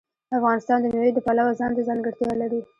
افغانستان د مېوې د پلوه ځانته ځانګړتیا لري.